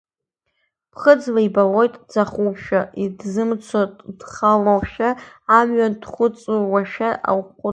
Ԥхыӡла ибалоит дцахуашәа, дзымцо, дхалошәа амҩан, дхыҵуашәа хәык…